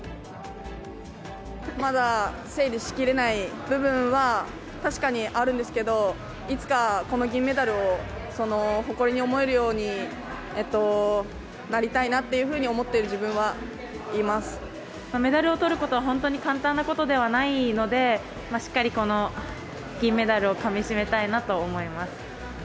まだ整理しきれない部分は確かにあるんですけど、いつかこの銀メダルを誇りに思えるようになりたいなっていうふうメダルをとることは本当に簡単なことではないので、しっかりこの銀メダルをかみしめたいなと思います。